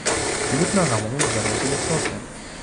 Мірна гамоняць бярозы ды сосны.